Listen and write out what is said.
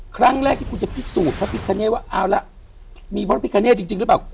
ครั้งแรกที่คุณจะพิสูจน์พระพิคเนตว่าเอาละมีพระพิกาเนตจริงหรือเปล่า